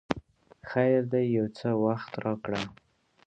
خیر دی یو څه وخت راکړه!